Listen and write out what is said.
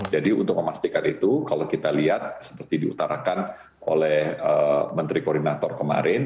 jadi untuk memastikan itu kalau kita lihat seperti diutarakan oleh menteri koordinator kemarin